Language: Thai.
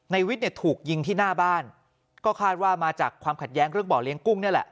วิทย์เนี่ยถูกยิงที่หน้าบ้านก็คาดว่ามาจากความขัดแย้งเรื่องบ่อเลี้ยงกุ้งนี่แหละ